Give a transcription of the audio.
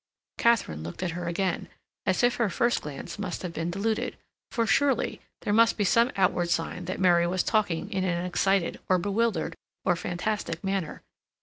Katharine looked at her again, as if her first glance must have been deluded, for, surely, there must be some outward sign that Mary was talking in an excited, or bewildered, or fantastic manner.